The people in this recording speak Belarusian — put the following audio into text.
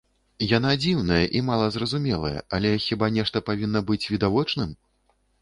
Яна дзіўная і мала зразумелая, але хіба нешта павінна быць відавочным?